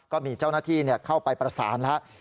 ก็มีเจ้าหน้าที่เข้าไปประสานแล้ว